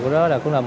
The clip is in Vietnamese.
rồi đó là